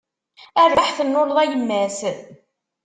A rrbeḥ tennuleḍ a yemma-s.